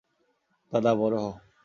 দাদা, বড় হও।